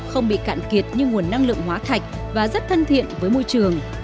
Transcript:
không bị cạn kiệt như nguồn năng lượng hóa thạch và rất thân thiện với môi trường